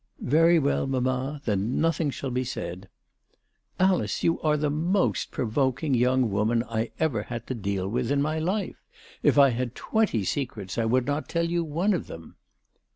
"Yery well, mamma. Then nothing shall be said." " Alice, you are the most provoking young woman I ever had to deal with in my life. If I had twenty secrets I would not tell you one of them."